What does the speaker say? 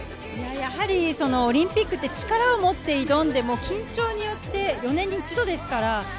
オリンピックって力を持って挑んでも緊張によって、４年に１度ですから。